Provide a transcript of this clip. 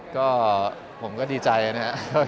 ก็ผมก็ดีใจนะครับ